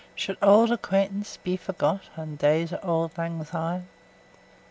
Should auld acquaintance be forgot, And days o' lang syne?